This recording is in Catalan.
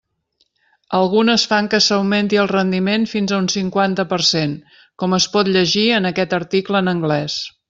Algunes fan que s'augmenti el rendiment fins a un cinquanta per cent, com es pot llegir en aquest article en anglès.